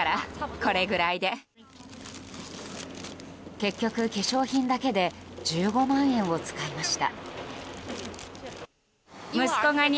結局、化粧品だけで１５万円を使いました。